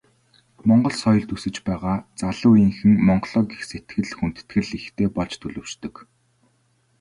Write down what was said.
Монгол соёлд өсөж байгаа залуу үеийнхэн Монголоо гэх сэтгэл, хүндэтгэл ихтэй болж төлөвшдөг.